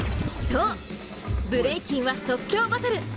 そう、ブレイキンは即興バトル。